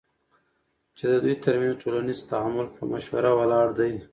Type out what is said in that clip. چی ددوی ترمنځ ټولنیز تعامل په مشوره ولاړ دی،